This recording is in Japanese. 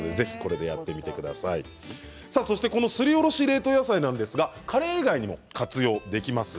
このすりおろし冷凍野菜はカレー以外にも活用できます。